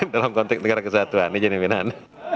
dalam konteks negara kesatuan izin pimpinan